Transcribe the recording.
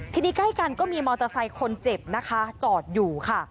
ทีนี้ใกล้กันก็มีมอเตอร์ไซค์คนเจ็บนะคะจอดอยู่ค่ะ